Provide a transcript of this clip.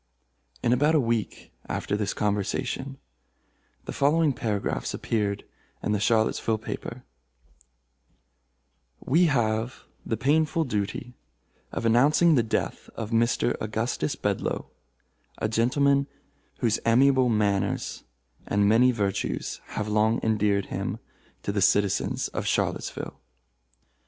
In about a week after this conversation, the following paragraphs appeared in a Charlottesville paper: "We have the painful duty of announcing the death of Mr. Augustus Bedlo, a gentleman whose amiable manners and many virtues have long endeared him to the citizens of Charlottesville.